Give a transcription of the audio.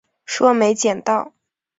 说没捡到